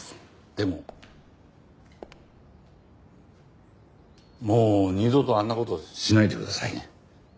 でももう二度とあんな事しないでくださいね。